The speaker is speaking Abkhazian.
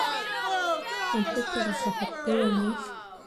Аԥышәарақәа ҳаԥгылами.